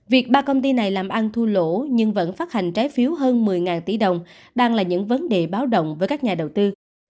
việc ba công ty này làm ăn thua lỗ nhưng vẫn phát hành trái phiếu hơn một mươi tỷ đồng đang là những vấn đề báo động với các nhà đầu tư